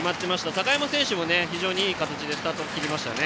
高山選手も非常にいい形でスタートを切りましたね。